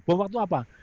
bom batu apa